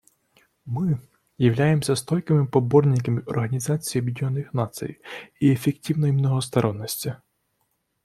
Мы являемся стойкими поборниками Организации Объединенных Наций и эффективной многосторонности.